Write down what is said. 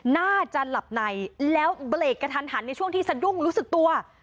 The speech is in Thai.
น่าจะหลับในแล้วเบรกกระทันหันในช่วงที่สะดุ้งรู้สึกตัว